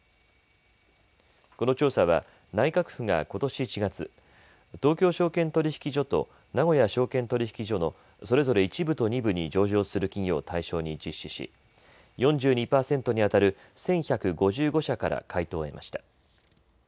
この調査は内閣府がことし１月、東京証券取引所と名古屋証券取引所のそれぞれ１部と２部に上場する企業を対象に実施し４２％にあたる１１５５社から回答を得ました。